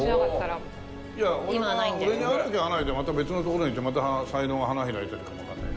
俺に会わなきゃ会わないでまた別の所に行ってまた才能が花開いてるかもわからないから。